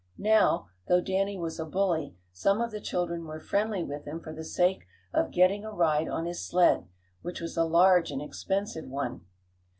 Now, though Danny was a bully, some of the children were friendly with him for the sake of getting a ride on his sled, which was a large and expensive one.